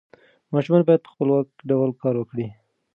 ماشومان باید په خپلواک ډول کار وکړي.